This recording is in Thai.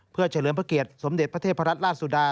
เพื่อเฉลิมเผกเกียรติสมเด็จพระรัชราชสุดา